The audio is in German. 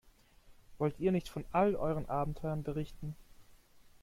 Wollt ihr nicht von all euren Abenteuern berichten?